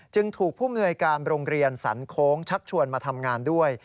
จึงถูกภูมิในการโรงเรียนสรรคงชับชวนมาทำงานด้วย